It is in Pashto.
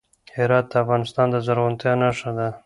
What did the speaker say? هرات د افغانستان د زرغونتیا نښه ده.